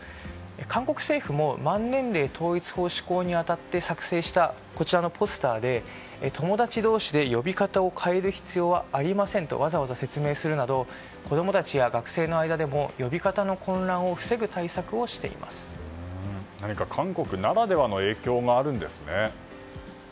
韓国政府も、満年齢統一法施行に当たって作成したこちらのポスターで友達同士で呼び方を変える必要はありませんとわざわざ説明するなど子供たちや学生の間でも呼び方の混乱を何か韓国ならではの影響があるんですね。